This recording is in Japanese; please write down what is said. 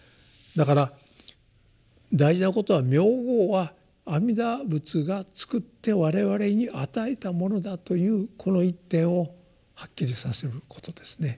だから大事なことは名号は阿弥陀仏がつくって我々に与えたものだというこの一点をはっきりさせることですね。